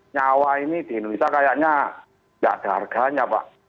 nyawa ini di indonesia kayaknya nggak ada harganya pak